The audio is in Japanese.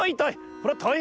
こりゃたいへんだ。